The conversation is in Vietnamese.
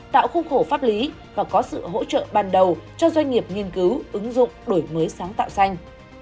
tạo khung khổ pháp lý và có sự hỗ trợ ban đầu cho doanh nghiệp nghiên cứu ứng dụng đổi mới sáng tạo xanh